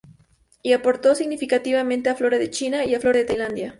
Y aportó significativamente a "Flora de China" y a "Flora de Tailandia"